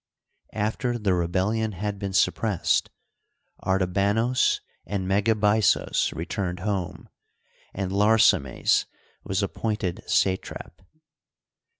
After the rebellion had been suppressed, Artabanos and Megabyzos returned home, and Larsames was appointed satrap.